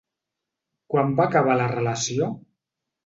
Quan va acabar la relació?